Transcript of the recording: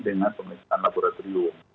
dengan pemerintahan laboratorium